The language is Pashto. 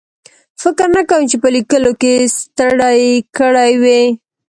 فکر نه کوم چې په لیکلو کې ستړی کړی وي.